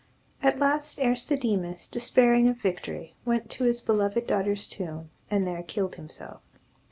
At last Aristodemus, despairing of victory, went to his beloved daughter's tomb, and there killed himself.